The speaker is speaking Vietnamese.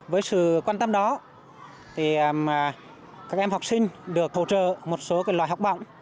với sự quan tâm đó các em học sinh được hỗ trợ một số loại học bổng